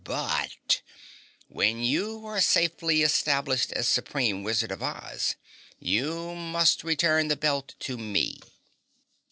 BUT, when you are safely established as supreme Wizard of Oz, you must return the belt to me."